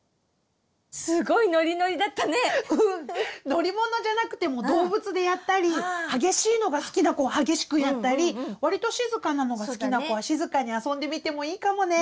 乗り物じゃなくても動物でやったり激しいのが好きな子は激しくやったりわりと静かなのが好きな子は静かに遊んでみてもいいかもね！